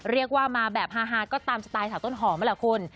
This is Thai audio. เรียกว่ามาแบบฮาก็ตามสไตล์สาวต้นหอมนั่นแหละคุณ